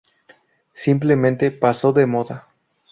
Simplemente pasó de moda.